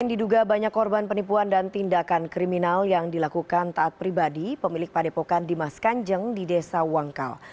diduga banyak korban penipuan dan tindakan kriminal yang dilakukan taat pribadi pemilik padepokan dimas kanjeng di desa wangkal